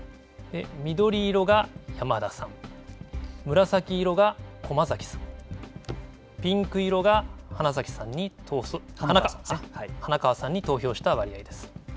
緑色が山田さん、紫色が駒崎さんピンク色が花川さんに投票した割合です。